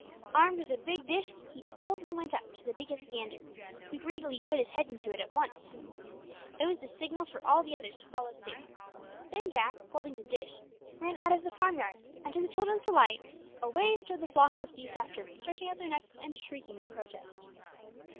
Armed with a big dish he boldly went up to the biggest gander, who greedily put his head into it at once. It was the signal for all the others to follow suit. Then Jack, holding the dish, ran out of the farmyard; and to the children's delight, away strode the flock of geese after him, stretching out their necks and shrieking in protest.